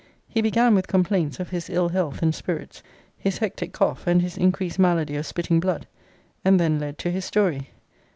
He began with complaints of his ill health and spirits, his hectic cough, and his increased malady of spitting blood; and then led to his story.